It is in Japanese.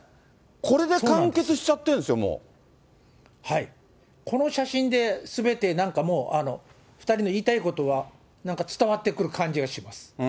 これで完結しちゃってるんですよ、この写真ですべてなんかもう、２人の言いたいことは、なんか伝わってくる感じはします。